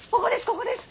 ここです！